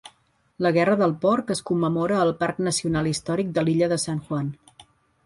La guerra del porc es commemora al Parc Nacional Històric de l'illa de San Juan.